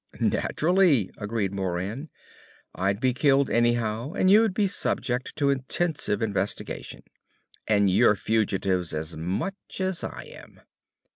"Naturally!" agreed Moran. "I'd be killed anyhow and you'd be subject to intensive investigation. And you're fugitives as much as I am."